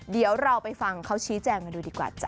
เดี๋ยวเราไปฟังเขาชี้แจงกันดูดีกว่าจ้